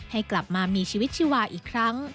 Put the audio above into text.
ให้กลับมามีชีวิตชีวาอีกครั้ง